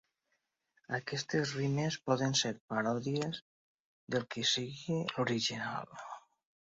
Aquestes rimes poden ser paròdies del que sigui l'original.